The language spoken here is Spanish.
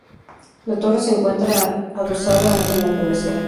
La torre se encuentra adosada a la cabecera.